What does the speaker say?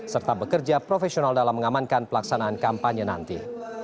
serta bekerja profesional dalam mengamankan pelaksanaan kampanye nanti